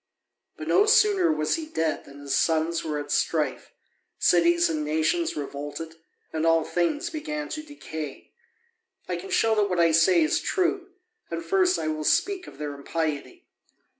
But no sooner was he dead than his sons were at strife, cities and nations revolted, and all things began to decay. I can show that what I say is true, and first I will speak of their impiety.